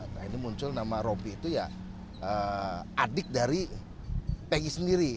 nah ini muncul nama roby itu ya adik dari pegi sendiri